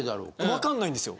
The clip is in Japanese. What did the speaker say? わかんないんですよ。